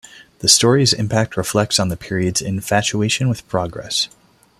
The story's impact reflects on the period's infatuation with progress.